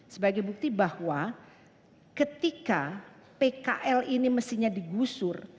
sebagai bukti bahwa ketika pkl ini mestinya digusur